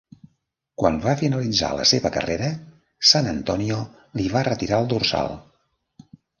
Quan va finalitzar la seva carrera San Antonio li va retirar el dorsal.